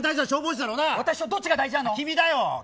どっちが大事なの。